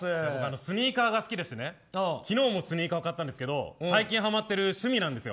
スニーカーが好きでして昨日もスニーカーを買ったんですけど最近はまってる趣味なんです。